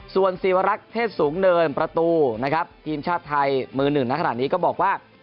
ส่วนศิวรักษ์เทศสูงเนินประตูนะครับทีมชาติไทยมือหนึ่งณขณะนี้ก็บอกว่า